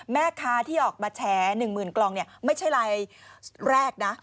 แม้ค้าที่ออกมาแชร์๑หมื่นกล่องไม่ใช่รายแรกนะ